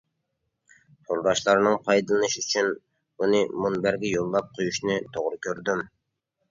تورداشلارنىڭ پايدىلىنىشى ئۈچۈن بۇنى مۇنبەرگە يوللاپ قويۇشنى توغرا كۆردۈم.